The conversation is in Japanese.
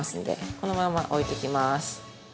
このまま置いときまーす。